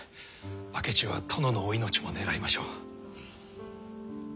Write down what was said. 明智は殿のお命も狙いましょう。